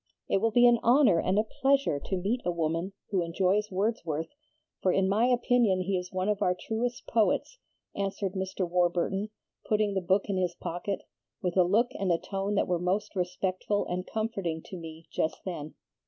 It will be an honor and a pleasure to meet a woman who enjoys Wordsworth, for in my opinion he is one of our truest poets,' answered Mr. Warburton, putting the book in his pocket, with a look and a tone that were most respectful and comforting to me just then.